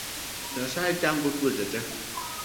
Nyasye chango tuoche te.